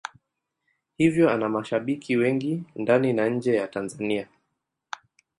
Hivyo ana mashabiki wengi ndani na nje ya Tanzania.